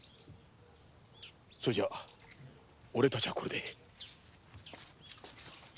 それじゃオレたちはこれで。